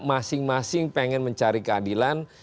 masing masing pengen mencari keadilan